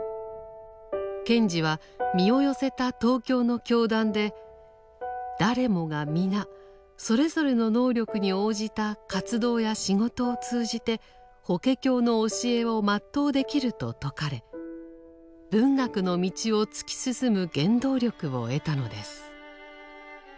賢治は身を寄せた東京の教団で誰もが皆それぞれの能力に応じた活動や仕事を通じて「法華経」の教えを全うできると説かれ文学の道を突き進む原動力を得たのです。